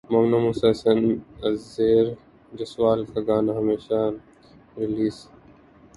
مومنہ مستحسن عزیر جسوال کا گانا ہمیشہ ریلیز